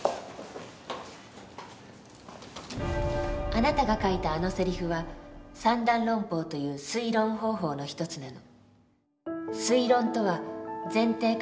あなたが書いたあのせりふは三段論法という推論方法の一つなの。